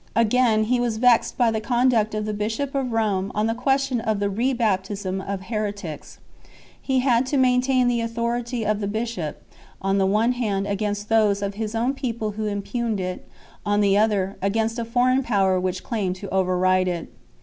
Again, he was vexed by the conduct of the bishop of Rome on the question of the re baptism of heretics^. He had to maintain the authority of the bishop, on the one hand against those of his own people who impugned it, on the other, against a foreign power which claimed to override it.